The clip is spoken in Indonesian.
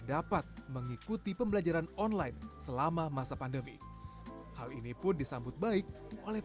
dapat mengikuti pembelajaran online selama masa pandemi hal ini pun disambut baik oleh